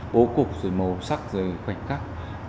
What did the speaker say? bộ cục rồi màu sắc rồi khoảnh khắc